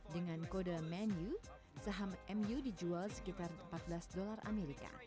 dengan kode menu saham mu dijual sekitar empat belas dolar amerika